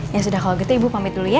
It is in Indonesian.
ya sudah kalau gitu ibu pamit dulu ya